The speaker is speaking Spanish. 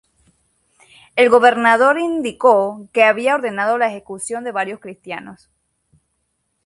El gobernador indicó que había ordenado la ejecución de varios cristianos.